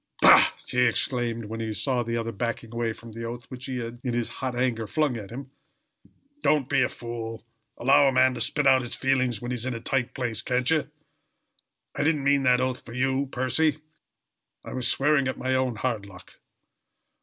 "Bah!" he exclaimed, when he saw the other backing away from the oath which he had, in his hot anger, flung at him, "don't be a fool. Allow a man to spit out his feelings when he's in a tight place, can't ye? I didn't mean that oath for you, Percy. I was swearing at my own hard luck.